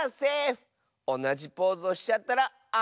おなじポーズをしちゃったらアウトだよ。